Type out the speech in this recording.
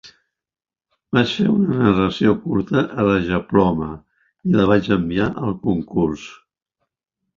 Vaig fer una narració curta a rajaploma i la vaig enviar al concurs.